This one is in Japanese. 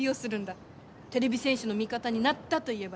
てれび戦士の味方になったと言えば信用されるはず。